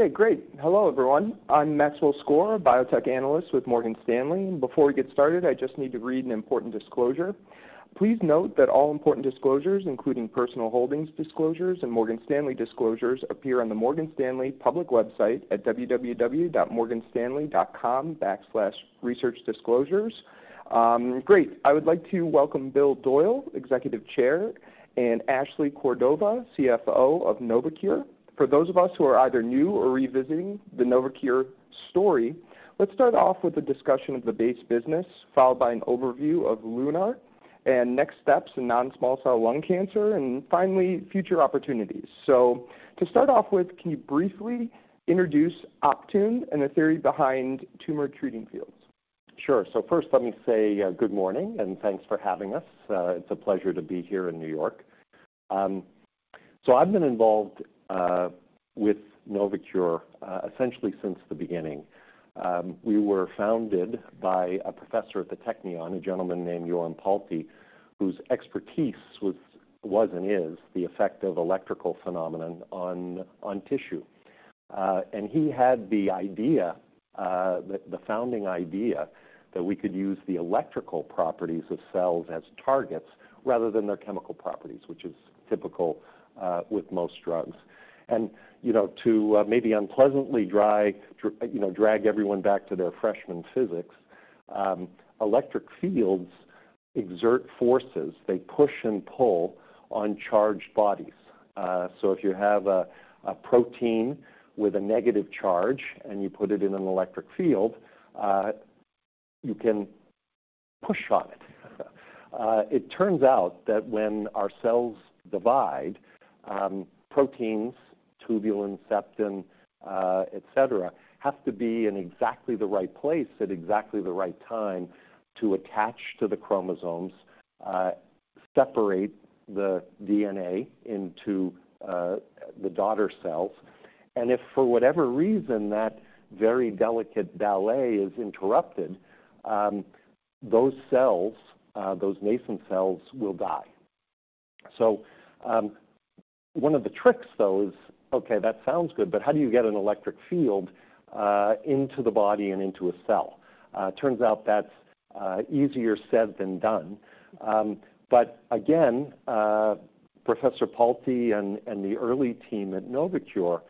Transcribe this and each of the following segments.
Okay, great. Hello, everyone. I'm Maxwell Skor, biotech analyst with Morgan Stanley. Before we get started, I just need to read an important disclosure. Please note that all important disclosures, including personal holdings disclosures and Morgan Stanley disclosures, appear on the Morgan Stanley public website at www.morganstanley.com/researchdisclosures. Great, I would like to welcome Bill Doyle, Executive Chairman, and Ashley Cordova, CFO of Novocure. For those of us who are either new or revisiting the Novocure story, let's start off with a discussion of the base business, followed by an overview of LUNAR and next steps in non-small cell lung cancer, and finally, future opportunities. So to start off with, can you briefly introduce Optune and the theory behind Tumor Treating Fields? Sure. So first, let me say, good morning, and thanks for having us. It's a pleasure to be here in New York. So I've been involved with Novocure essentially since the beginning. We were founded by a professor at the Technion, a gentleman named Yoram Palti, whose expertise was and is the effect of electrical phenomenon on tissue. And he had the idea, the founding idea that we could use the electrical properties of cells as targets rather than their chemical properties, which is typical with most drugs. And, you know, to maybe unpleasantly dry, you know, drag everyone back to their freshman physics, electric fields exert forces. They push and pull on charged bodies. So if you have a protein with a negative charge and you put it in an electric field, you can push on it. It turns out that when our cells divide, proteins, tubulin, septin, et cetera, have to be in exactly the right place at exactly the right time to attach to the chromosomes, separate the DNA into the daughter cells. And if for whatever reason, that very delicate ballet is interrupted, those cells, those nascent cells will die. So, one of the tricks, though, is, okay, that sounds good, but how do you get an electric field into the body and into a cell? Turns out that's easier said than done. But again, Professor Palti and the early team at Novocure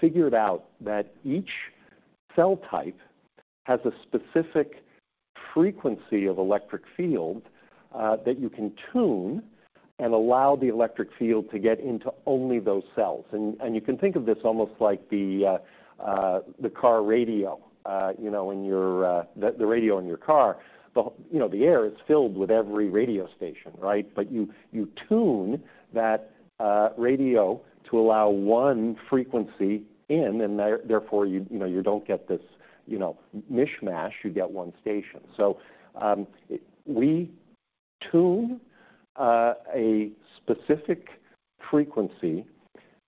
figured out that each cell type has a specific frequency of electric field that you can tune and allow the electric field to get into only those cells. And you can think of this almost like the car radio, you know, in your car, the radio in your car. But, you know, the air is filled with every radio station, right? But you tune that radio to allow one frequency in, and therefore, you know, you don't get this, you know, mishmash, you get one station. So, we tune a specific frequency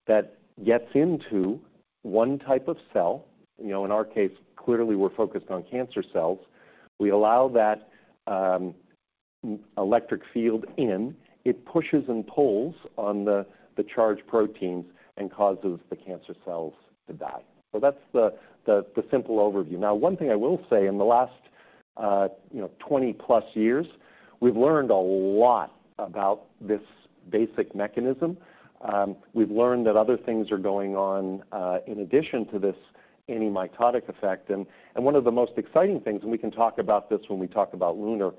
that gets into one type of cell. You know, in our case, clearly we're focused on cancer cells. We allow that, electric field in, it pushes and pulls on the charged proteins and causes the cancer cells to die. So that's the simple overview. Now, one thing I will say, in the last, you know, 20+ years, we've learned a lot about this basic mechanism. We've learned that other things are going on in addition to this antimitotic effect. One of the most exciting things, and we can talk about this when we talk about LUNAR,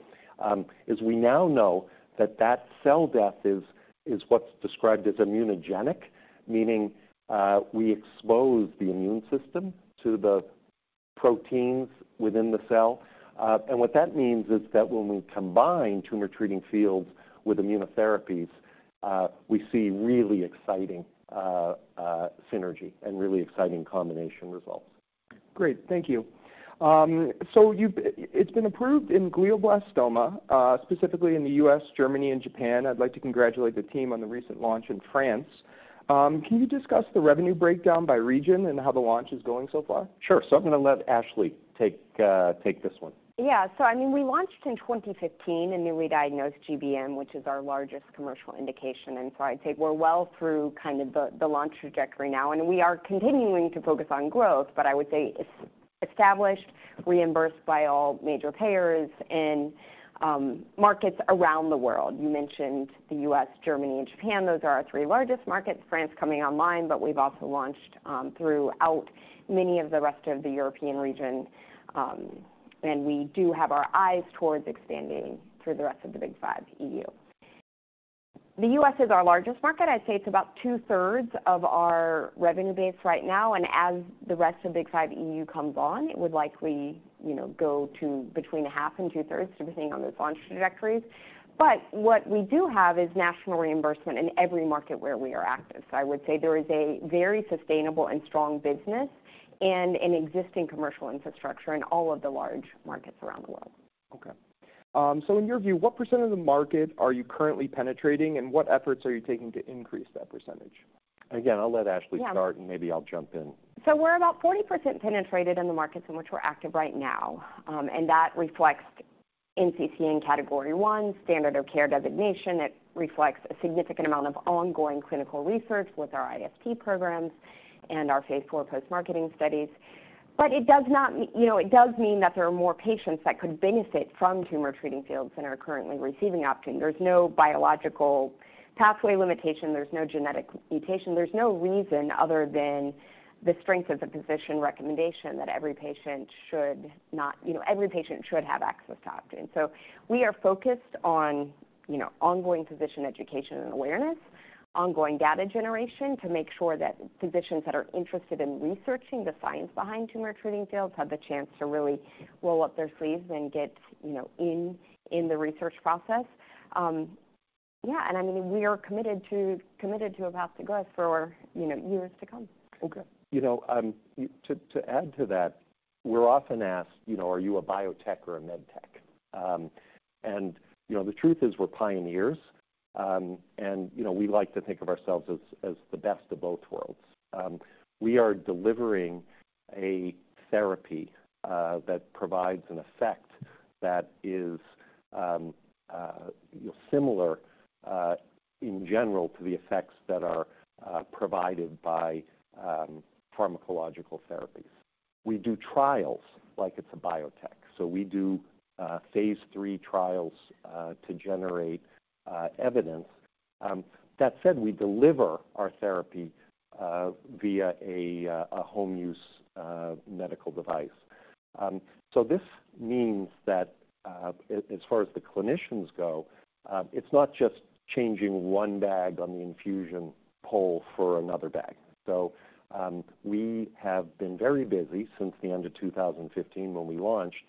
is we now know that that cell death is what's described as immunogenic, meaning, we expose the immune system to the proteins within the cell. And what that means is that when we combine Tumor Treating Fields with immunotherapies, we see really exciting synergy and really exciting combination results. Great. Thank you. So it's been approved in glioblastoma, specifically in the U.S., Germany, and Japan. I'd like to congratulate the team on the recent launch in France. Can you discuss the revenue breakdown by region and how the launch is going so far? Sure. So I'm going to let Ashley take this one. Yeah. So I mean, we launched in 2015, in newly diagnosed GBM, which is our largest commercial indication. And so I'd say we're well through kind of the launch trajectory now, and we are continuing to focus on growth. But I would say it's established, reimbursed by all major payers in markets around the world. You mentioned the U.S., Germany, and Japan. Those are our three largest markets, France coming online, but we've also launched throughout many of the rest of the European region. And we do have our eyes towards expanding through the rest of the Big Five EU. The U.S. is our largest market. I'd say it's about two-thirds of our revenue base right now, and as the rest of Big Five EU comes on, it would likely, you know, go to between a half and two-thirds, depending on those launch trajectories. What we do have is national reimbursement in every market where we are active. I would say there is a very sustainable and strong business and an existing commercial infrastructure in all of the large markets around the world. Okay. So in your view, what % of the market are you currently penetrating, and what efforts are you taking to increase that %? Again, I'll let Ashley- Yeah... start, and maybe I'll jump in. So we're about 40% penetrated in the markets in which we're active right now. And that reflects NCCN Category 1, standard of care designation. It reflects a significant amount of ongoing clinical research with our IST programs and our phase four post-marketing studies. But it does not mean, you know, it does mean that there are more patients that could benefit from Tumor Treating Fields than are currently receiving Optune. There's no biological pathway limitation, there's no genetic mutation, there's no reason other than the strength of the physician recommendation that every patient should not, you know, every patient should have access to Optune. We are focused on, you know, ongoing physician education and awareness, ongoing data generation to make sure that physicians that are interested in researching the science behind Tumor Treating Fields have the chance to really roll up their sleeves and get, you know, in the research process. Yeah, and I mean, we are committed to a path to growth for, you know, years to come. Okay. You know, to add to that, we're often asked, you know, "Are you a biotech or a medtech?" And, you know, the truth is, we're pioneers. And, you know, we like to think of ourselves as the best of both worlds. We are delivering a therapy that provides an effect that is similar in general to the effects that are provided by pharmacological therapies. We do trials like it's a biotech, so we do phase III trials to generate evidence. That said, we deliver our therapy via a home use medical device. So this means that, as far as the clinicians go, it's not just changing one bag on the infusion pole for another bag. So, we have been very busy since the end of 2015, when we launched,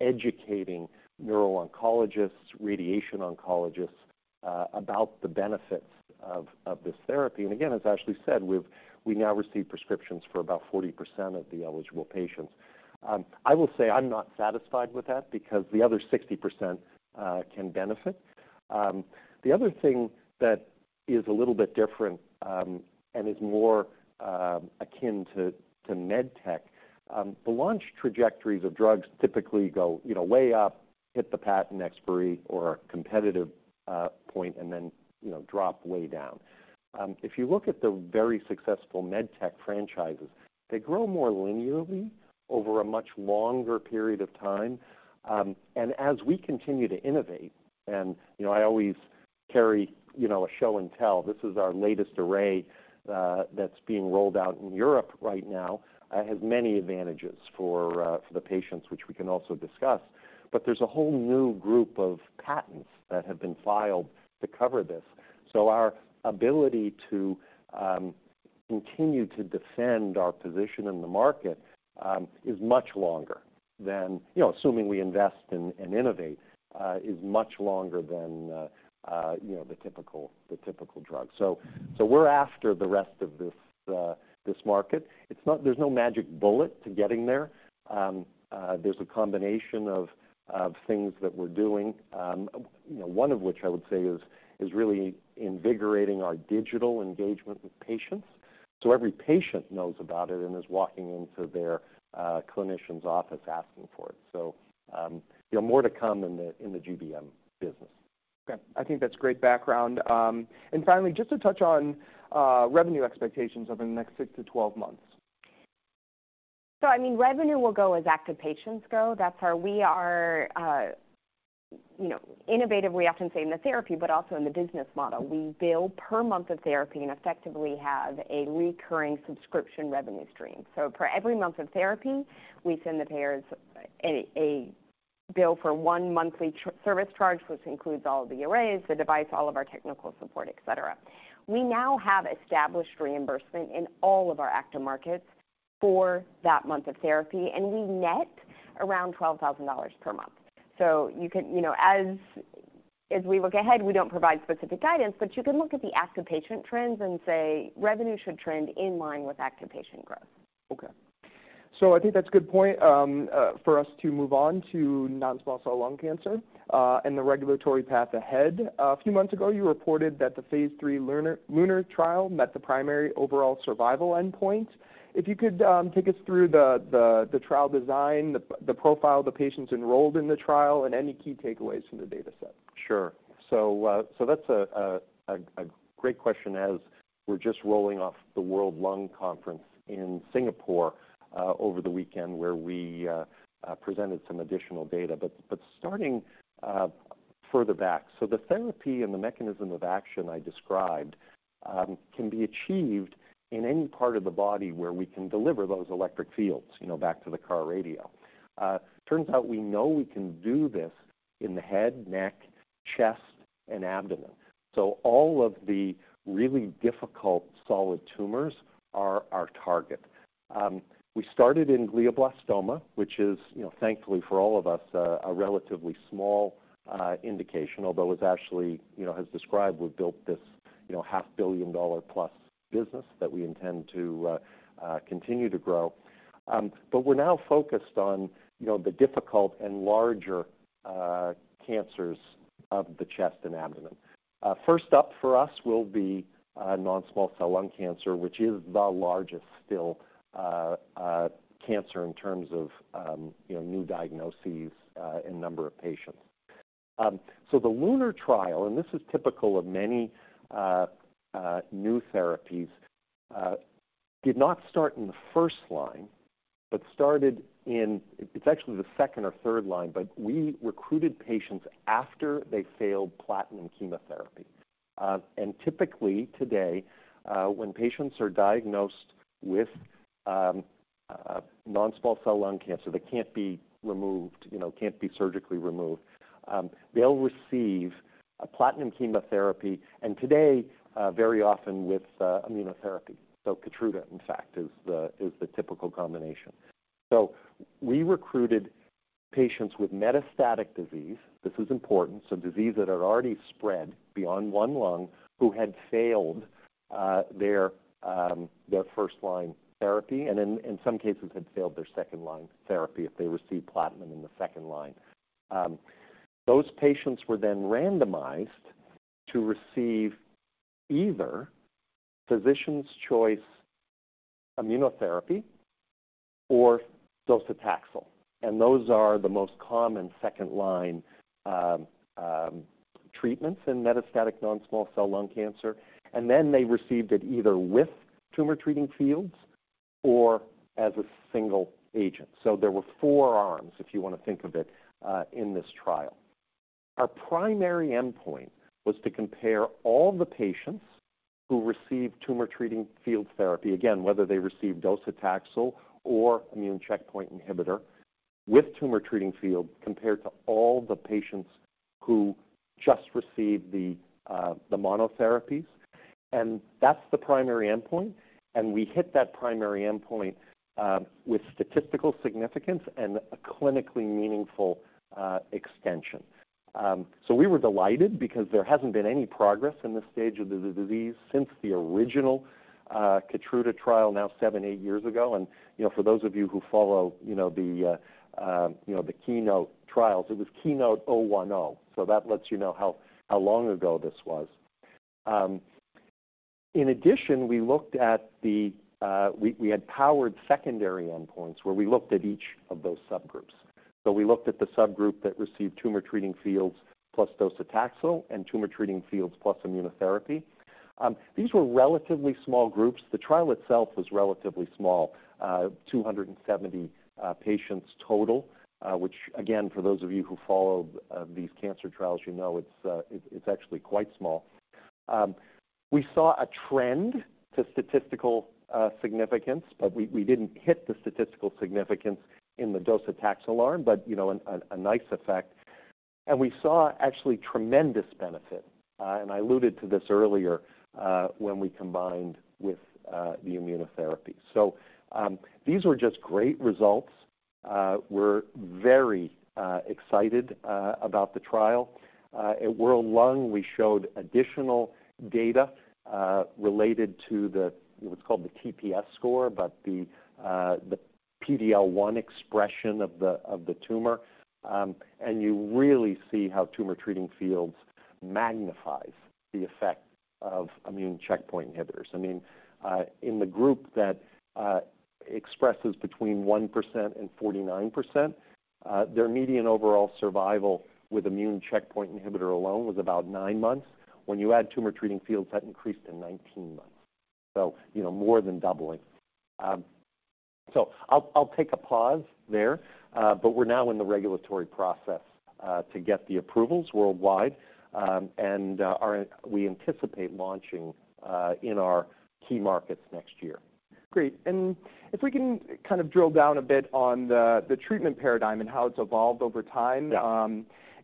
educating neuro-oncologists, radiation oncologists, about the benefits of this therapy. And again, as Ashley said, we now receive prescriptions for about 40% of the eligible patients. I will say I'm not satisfied with that because the other 60%, can benefit. The other thing that is a little bit different, and is more, akin to medtech, the launch trajectories of drugs typically go, you know, way up, hit the patent expiry or competitive, point and then, you know, drop way down. If you look at the very successful medtech franchises, they grow more linearly over a much longer period of time. As we continue to innovate and, you know, I always carry, you know, a show and tell, this is our latest array that's being rolled out in Europe right now, has many advantages for the patients, which we can also discuss. But there's a whole new group of patents that have been filed to cover this. So our ability to continue to defend our position in the market is much longer than... You know, assuming we invest and innovate, is much longer than you know, the typical drug. So we're after the rest of this market. It's not. There's no magic bullet to getting there. There's a combination of things that we're doing, you know, one of which I would say is really invigorating our digital engagement with patients. So every patient knows about it and is walking into their clinician's office asking for it. So, yeah, more to come in the GBM business. Okay, I think that's great background. And finally, just to touch on, revenue expectations over the next 6-12 months. So, I mean, revenue will go as active patients go. That's how we are, you know, innovative, we often say in the therapy, but also in the business model. We bill per month of therapy and effectively have a recurring subscription revenue stream. So for every month of therapy, we send the payers a bill for one monthly service charge, which includes all the arrays, the device, all of our technical support, et cetera. We now have established reimbursement in all of our active markets for that month of therapy, and we net around $12,000 per month. So you can, you know, as we look ahead, we don't provide specific guidance, but you can look at the active patient trends and say revenue should trend in line with active patient growth. Okay. So I think that's a good point, for us to move on to non-small cell lung cancer, and the regulatory path ahead. A few months ago, you reported that the phase III LUNAR trial met the primary overall survival endpoint. If you could, take us through the trial design, the profile of the patients enrolled in the trial and any key takeaways from the dataset? Sure. So that's a great question, as we're just rolling off the World Lung Conference in Singapore over the weekend, where we presented some additional data. But starting further back, so the therapy and the mechanism of action I described can be achieved in any part of the body where we can deliver those electric fields, you know, back to the car radio. Turns out we know we can do this in the head, neck, chest, and abdomen. So all of the really difficult solid tumors are our target. We started in glioblastoma, which is, you know, thankfully for all of us, a relatively small indication, although as Ashley, you know, has described, we've built this, you know, $500 million+ business that we intend to continue to grow. But we're now focused on, you know, the difficult and larger cancers of the chest and abdomen. First up for us will be non-small cell lung cancer, which is the largest still cancer in terms of, you know, new diagnoses and number of patients. So the LUNAR trial, and this is typical of many new therapies, did not start in the first line, but started in—it's actually the second or third line, but we recruited patients after they failed platinum chemotherapy. And typically, today, when patients are diagnosed with non-small cell lung cancer that can't be removed, you know, can't be surgically removed, they'll receive a platinum chemotherapy, and today very often with immunotherapy. So KEYTRUDA, in fact, is the, is the typical combination. So we recruited patients with metastatic disease. This is important, so disease that had already spread beyond one lung, who had failed their first-line therapy, and in some cases, had failed their second-line therapy if they received platinum in the second line. Those patients were then randomized to receive either physician's choice immunotherapy or docetaxel, and those are the most common second-line treatments in metastatic non-small cell lung cancer. And then they received it either with tumor treating fields or as a single agent. So there were four arms, if you want to think of it, in this trial. Our primary endpoint was to compare all the patients who received tumor treating field therapy. Again, whether they received docetaxel or immune checkpoint inhibitor with Tumor Treating Field, compared to all the patients who just received the monotherapies, and that's the primary endpoint. We hit that primary endpoint with statistical significance and a clinically meaningful extension. So we were delighted because there hasn't been any progress in this stage of the disease since the original KEYTRUDA trial, now 7-8 years ago. You know, for those of you who follow the KEYNOTE trials, it was KEYNOTE-010, so that lets you know how long ago this was. In addition, we had powered secondary endpoints, where we looked at each of those subgroups. So we looked at the subgroup that received Tumor Treating Fields plus docetaxel and Tumor Treating Fields plus immunotherapy. These were relatively small groups. The trial itself was relatively small, 270 patients total, which again, for those of you who follow these cancer trials, you know, it's actually quite small. We saw a trend to statistical significance, but we didn't hit the statistical significance in the docetaxel arm, but, you know, a nice effect. And we saw actually tremendous benefit, and I alluded to this earlier, when we combined with the immunotherapy. So, these were just great results. We're very excited about the trial. At World Lung, we showed additional data related to what's called the TPS score, but the PD-L1 expression of the tumor. And you really see how Tumor Treating Fields magnifies the effect of immune checkpoint inhibitors. I mean, in the group that expresses between 1% and 49%, their median overall survival with immune checkpoint inhibitor alone was about 9 months. When you add Tumor Treating Fields, that increased to 19 months, so, you know, more than doubling. So I'll take a pause there, but we're now in the regulatory process to get the approvals worldwide, and, our... We anticipate launching in our key markets next year. Great. And if we can kind of drill down a bit on the treatment paradigm and how it's evolved over time- Yeah.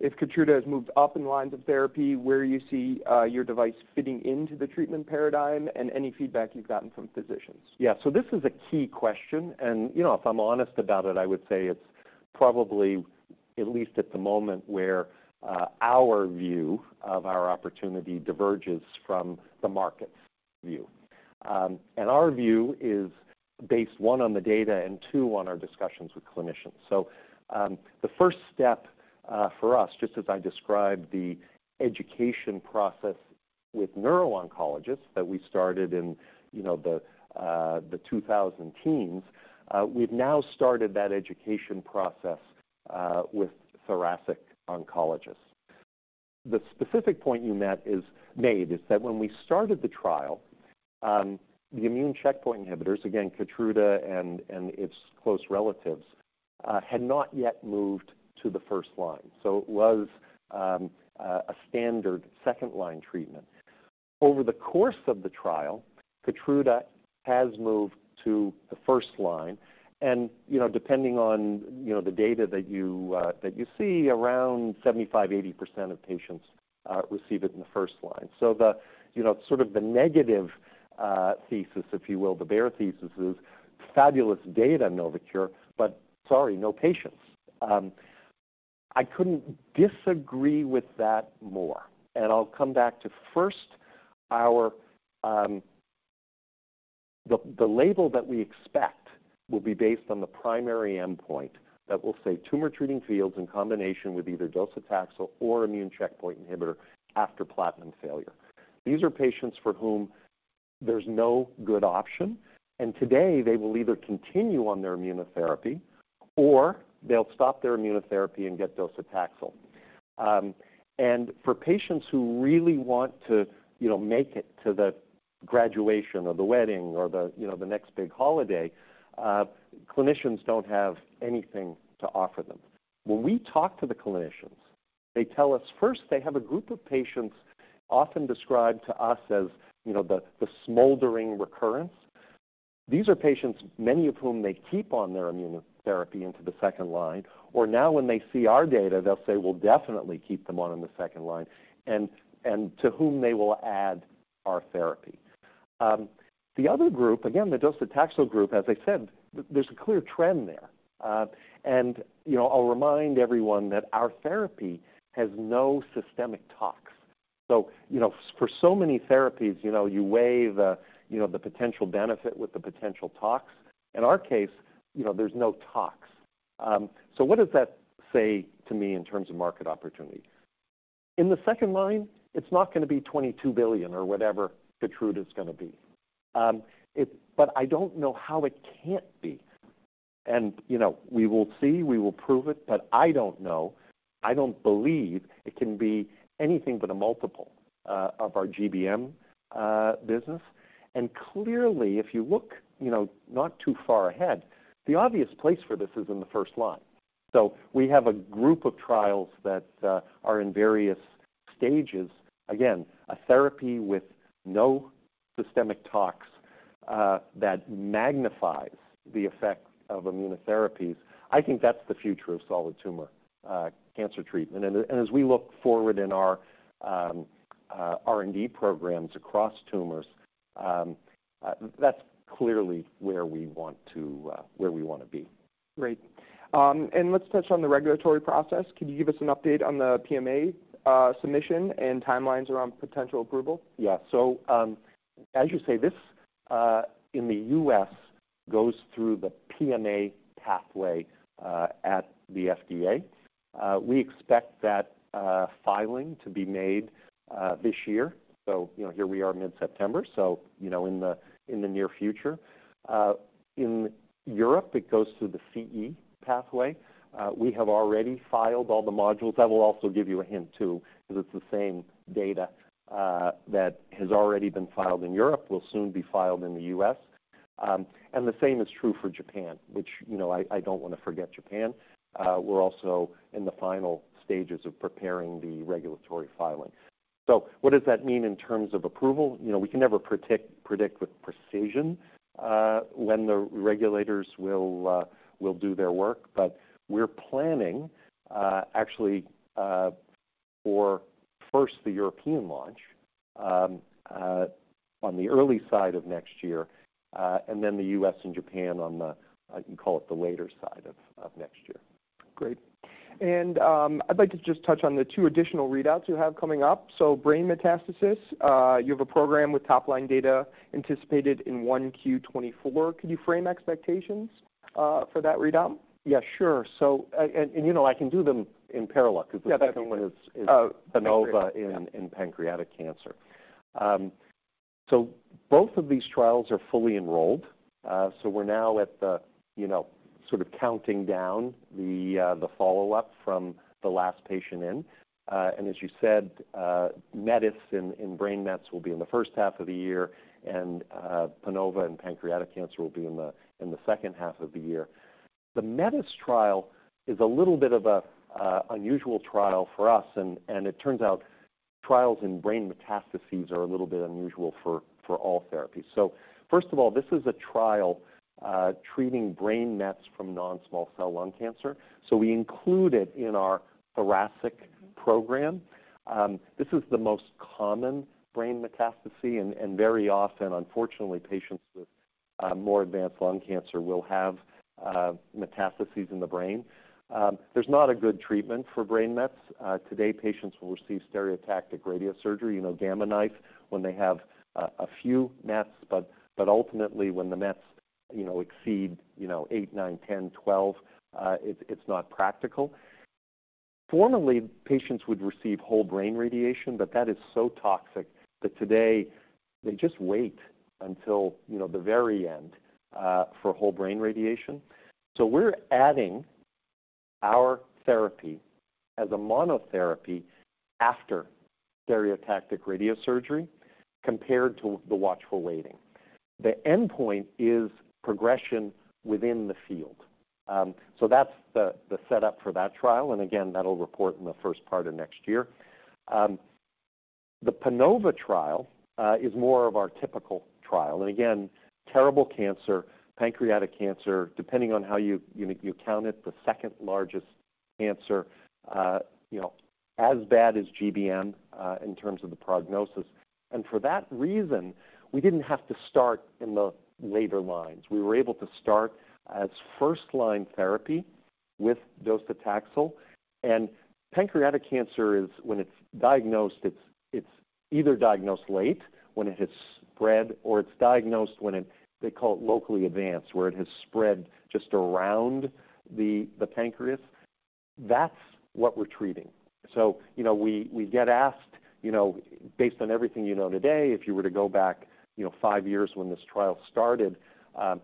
If KEYTRUDA has moved up in lines of therapy, where you see your device fitting into the treatment paradigm, and any feedback you've gotten from physicians? Yeah. So this is a key question, and, you know, if I'm honest about it, I would say it's probably, at least at the moment, where our view of our opportunity diverges from the market's view. And our view is based, one, on the data, and two, on our discussions with clinicians. So, the first step for us, just as I described the education process with neuro-oncologists that we started in, you know, the 2010s, we've now started that education process with thoracic oncologists. The specific point you mentioned is that when we started the trial, the immune checkpoint inhibitors, again, KEYTRUDA and its close relatives, had not yet moved to the first line, so it was a standard second-line treatment. Over the course of the trial, KEYTRUDA has moved to the first line, and, you know, depending on, you know, the data that you, that you see, around 75-80% of patients receive it in the first line. So the, you know, sort of the negative thesis, if you will, the bear thesis is fabulous data, Novocure, but sorry, no patients. I couldn't disagree with that more, and I'll come back to, first, our. The the label that we expect will be based on the primary endpoint that will say Tumor Treating Fields in combination with either docetaxel or immune checkpoint inhibitor after platinum failure. These are patients for whom there's no good option, and today they will either continue on their immunotherapy or they'll stop their immunotherapy and get docetaxel. For patients who really want to, you know, make it to the graduation or the wedding or the, you know, the next big holiday, clinicians don't have anything to offer them. When we talk to the clinicians, they tell us first they have a group of patients often described to us as, you know, the, the smoldering recurrence. These are patients, many of whom they keep on their immunotherapy into the second line, or now when they see our data, they'll say, "We'll definitely keep them on in the second line," and to whom they will add our therapy. The other group, again, the docetaxel group, as I said, there's a clear trend there. You know, I'll remind everyone that our therapy has no systemic tox. So, you know, for so many therapies, you know, you weigh the, you know, the potential benefit with the potential tox. In our case, you know, there's no tox. So what does that say to me in terms of market opportunity? In the second line, it's not going to be $22 billion or whatever KEYTRUDA is going to be. But I don't know how it can't be. And, you know, we will see, we will prove it, but I don't know. I don't believe it can be anything but a multiple of our GBM business. And clearly, if you look, you know, not too far ahead, the obvious place for this is in the first line. So we have a group of trials that are in various stages. Again, a therapy with no systemic tox that magnifies the effect of immunotherapies. I think that's the future of solid tumor cancer treatment. And as we look forward in our R&D programs across tumors, that's clearly where we want to be. Great. Let's touch on the regulatory process. Could you give us an update on the PMA submission and timelines around potential approval? Yeah. So, as you say, this, in the U.S., goes through the PMA pathway, at the FDA. We expect that, filing to be made, this year. So, you know, here we are mid-September, so, you know, in the near future. In Europe, it goes through the CE pathway. We have already filed all the modules. That will also give you a hint, too, because it's the same data, that has already been filed in Europe, will soon be filed in the U.S. And the same is true for Japan, which, you know, I don't want to forget Japan. We're also in the final stages of preparing the regulatory filing. So what does that mean in terms of approval? You know, we can never predict, predict with precision, when the regulators will, will do their work. But we're planning, actually, for first, the European launch, on the early side of next year, and then the U.S. and Japan on the, I can call it the later side of, of next year. Great. I'd like to just touch on the 2 additional readouts you have coming up. So brain metastasis, you have a program with top-line data anticipated in 1Q2024. Could you frame expectations for that readout? Yeah, sure. So, you know, I can do them in parallel- Yeah, definitely. Because the second one is PANOVA in pancreatic cancer. So both of these trials are fully enrolled. So we're now at the, you know, sort of counting down the follow-up from the last patient in. And as you said, METIS in brain mets will be in the first half of the year, and PANOVA and pancreatic cancer will be in the second half of the year. The METIS trial is a little bit of a unusual trial for us, and it turns out trials in brain metastases are a little bit unusual for all therapies. So first of all, this is a trial treating brain mets from non-small cell lung cancer, so we include it in our thoracic program. This is the most common brain metastasis, and very often, unfortunately, patients with more advanced lung cancer will have metastases in the brain. There's not a good treatment for brain mets. Today, patients will receive stereotactic radiosurgery, you know, Gamma Knife, when they have a few mets. But ultimately, when the mets, you know, exceed 8, 9, 10, 12, it's not practical. Formerly, patients would receive whole-brain radiation, but that is so toxic that today they just wait until, you know, the very end for whole-brain radiation. So we're adding our therapy as a monotherapy after stereotactic radiosurgery, compared to the watchful waiting. The endpoint is progression within the field. So that's the setup for that trial, and again, that'll report in the first part of next year. The PANOVA trial is more of our typical trial, and again, terrible cancer, pancreatic cancer, depending on how you count it, the second largest cancer, you know, as bad as GBM in terms of the prognosis. And for that reason, we didn't have to start in the later lines. We were able to start as first-line therapy with docetaxel, and pancreatic cancer is, when it's diagnosed, it's either diagnosed late, when it has spread, or it's diagnosed when it, they call it locally advanced, where it has spread just around the pancreas. That's what we're treating. So, you know, we get asked, you know, based on everything you know today, if you were to go back, you know, five years when this trial started,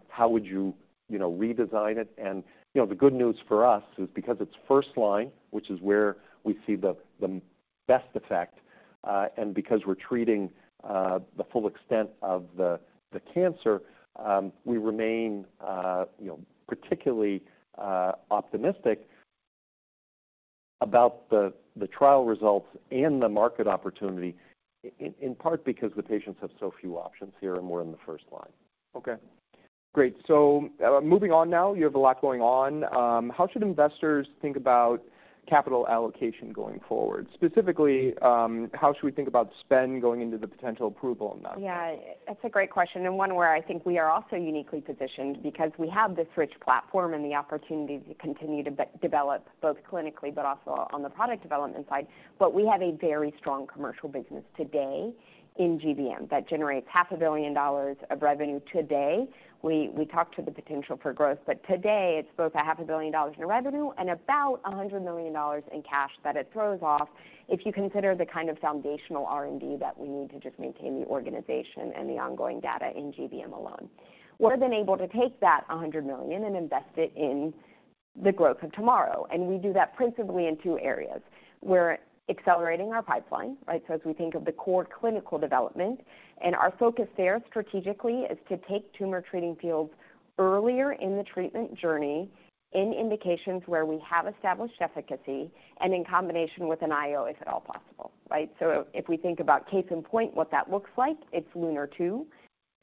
how would you, you know, redesign it? You know, the good news for us is because it's first line, which is where we see the best effect, and because we're treating the full extent of the cancer, we remain, you know, particularly optimistic about the trial results and the market opportunity, in part because the patients have so few options here, and we're in the first line. Okay, great. So, moving on now, you have a lot going on. How should investors think about capital allocation going forward? Specifically, how should we think about spend going into the potential approval on that? Yeah, that's a great question, and one where I think we are also uniquely positioned because we have this rich platform and the opportunity to continue to develop, both clinically but also on the product development side. But we have a very strong commercial business today in GBM that generates $500 million of revenue today. We talked to the potential for growth, but today, it's both $500 million in revenue and about $100 million in cash that it throws off, if you consider the kind of foundational R&D that we need to just maintain the organization and the ongoing data in GBM alone. We've been able to take that $100 million and invest it in the growth of tomorrow, and we do that principally in two areas. We're accelerating our pipeline, right? So as we think of the core clinical development, and our focus there strategically is to take Tumor Treating Fields earlier in the treatment journey, in indications where we have established efficacy and in combination with an IO, if at all possible, right? So if we think about case in point, what that looks like, it's LUNAR-2.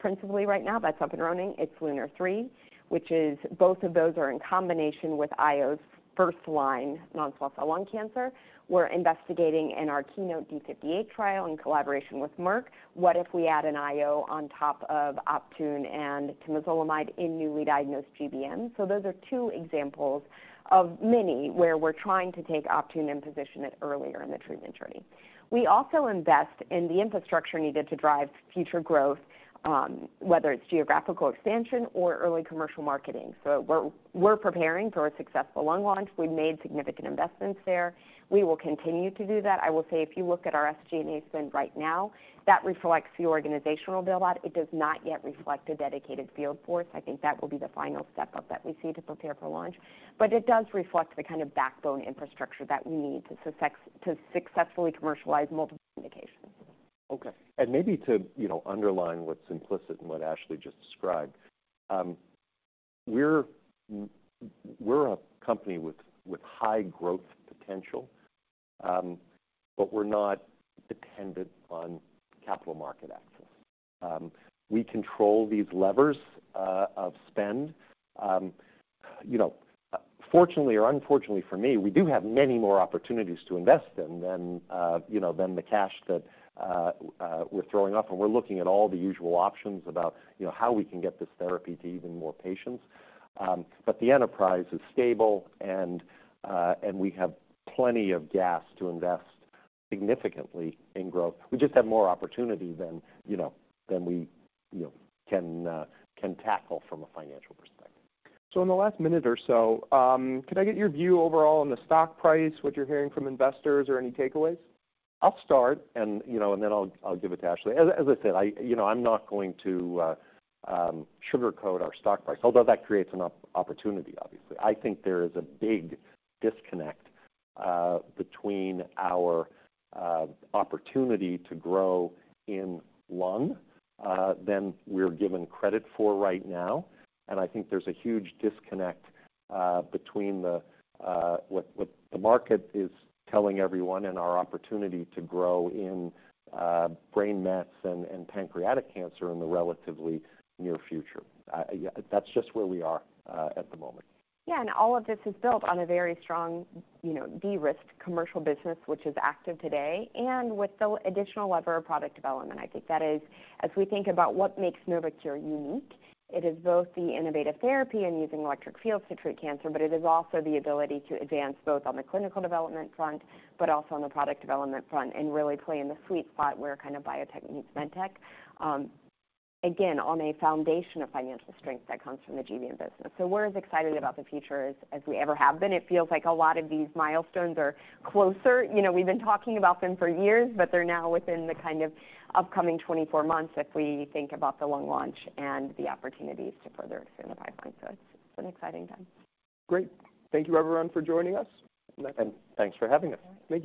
Principally right now, that's up and running. It's LUNAR-3, which is both of those are in combination with IOs first-line non-small cell lung cancer. We're investigating in our KEYNOTE-B58 trial, in collaboration with Merck, what if we add an IO on top of Optune and temozolomide in newly diagnosed GBM? So those are two examples of many, where we're trying to take Optune and position it earlier in the treatment journey. We also invest in the infrastructure needed to drive future growth, whether it's geographical expansion or early commercial marketing. So we're preparing for a successful lung launch. We've made significant investments there. We will continue to do that. I will say, if you look at our SG&A spend right now, that reflects the organizational build-out. It does not yet reflect a dedicated field force. I think that will be the final step-up that we see to prepare for launch, but it does reflect the kind of backbone infrastructure that we need to successfully commercialize multiple indications. Okay. And maybe to you know, underline what's implicit in what Ashley just described, we're a company with high growth potential, but we're not dependent on capital market access. You know, fortunately or unfortunately for me, we do have many more opportunities to invest in than you know, than the cash that we're throwing off, and we're looking at all the usual options about you know, how we can get this therapy to even more patients. But the enterprise is stable, and we have plenty of gas to invest significantly in growth. We just have more opportunity than you know, than we can tackle from a financial perspective. In the last minute or so, could I get your view overall on the stock price, what you're hearing from investors, or any takeaways? I'll start, and, you know, and then I'll give it to Ashley. As I said, you know, I'm not going to sugarcoat our stock price, although that creates an opportunity, obviously. I think there is a big disconnect between our opportunity to grow in lung than we're given credit for right now. And I think there's a huge disconnect between the what the market is telling everyone and our opportunity to grow in brain mets and pancreatic cancer in the relatively near future. Yeah, that's just where we are at the moment. Yeah, and all of this is built on a very strong, you know, de-risked commercial business, which is active today, and with the additional lever of product development. I think that is, as we think about what makes Novocure unique, it is both the innovative therapy and using electric fields to treat cancer, but it is also the ability to advance both on the clinical development front, but also on the product development front, and really play in the sweet spot where kind of biotech meets medtech. Again, on a foundation of financial strength that comes from the GBM business. So we're as excited about the future as, as we ever have been. It feels like a lot of these milestones are closer. You know, we've been talking about them for years, but they're now within the kind of upcoming 24 months, if we think about the lung launch and the opportunities to further expand the pipeline. So it's an exciting time. Great. Thank you, everyone, for joining us. Thanks for having us. All right. Thank you.